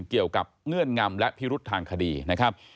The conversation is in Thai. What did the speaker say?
เงื่อนงำและพิรุษทางคดีนะครับ